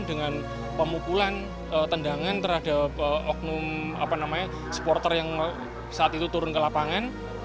dengan pemukulan tendangan terhadap oknum supporter yang saat itu turun ke lapangan